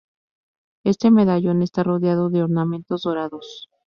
Este medallón está rodeado de ornamentos dorados.